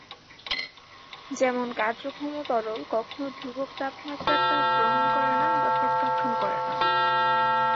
যেমন, কার্যক্ষম তরল কখনও ধ্রুবক তাপমাত্রায় তাপ গ্রহণ করে না বা প্রত্যাখ্যান করে না।